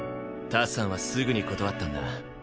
タツさんはすぐに断ったんだ。